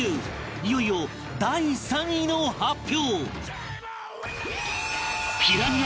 いよいよ第３位の発表